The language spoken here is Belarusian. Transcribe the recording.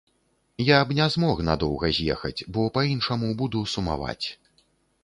Я б не змог надоўга з'ехаць, бо па-іншаму буду сумаваць.